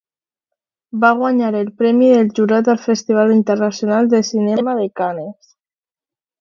Va guanyar el Premi del Jurat al Festival Internacional de Cinema de Canes.